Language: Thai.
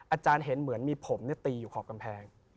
อาจารย์เห็นเหมือนมีผมตีอยู่ขอบกำแพง